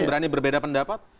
berani berbeda pendapat